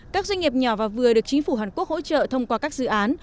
các doanh nghiệp nhỏ và vừa được chính phủ hàn quốc hỗ trợ thông qua các dự án